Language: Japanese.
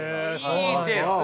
いいですね。